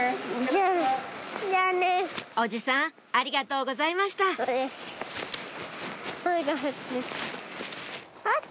おじさんありがとうございましたあめがふって。